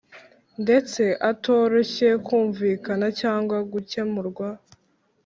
Ndetse atoroshye kumvikana cyangwa gukemurwa